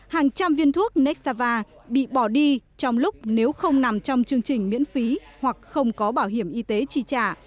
hàng trăm viên thuốc nessava bị bỏ đi trong lúc nếu không nằm trong chương trình miễn phí hoặc không có bảo hiểm y tế chi trả